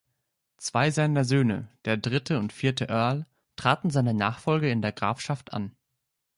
Zwei seiner Söhne, der dritte und vierte Earl, traten seine Nachfolge in der Grafschaft an.